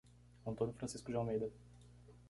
Antônio Francisco de Almeida